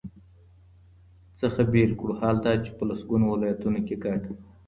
څخه بېل کړو، حال دا چي په لسګونو ولایتونو کي ګډ